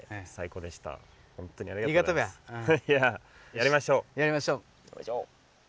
やりましょう！